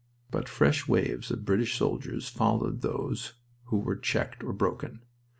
But fresh waves of British soldiers followed those who were checked or broken.